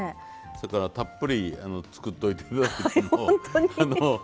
そやからたっぷり作っといて頂いても。